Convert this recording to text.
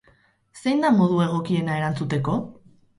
Zein da modu egokiena erantzuteko?